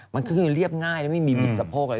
มันก็คือเรียบง่ายแล้วไม่มีมิตรสะโพกอะไร